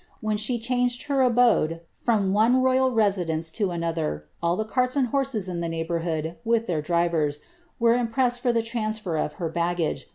When she changed her abode from one royal residence to another, all the carts and horses in the neighbour hood, with their drivers, were impressed for the transfer of her bageisf.